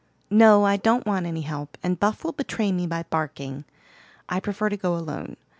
"No, I don't want any help, and Buff will betray me by barking; I prefer to go alone.